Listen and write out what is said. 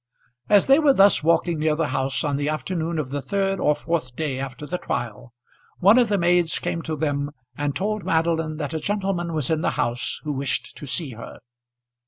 As they were thus walking near the house on the afternoon of the third or fourth day after the trial, one of the maids came to them and told Madeline that a gentleman was in the house who wished to see her.